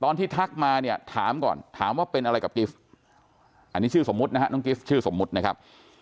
ทักมาเนี่ยถามก่อนถามว่าเป็นอะไรกับกิฟต์อันนี้ชื่อสมมุตินะฮะน้องกิฟต์ชื่อสมมุตินะครับ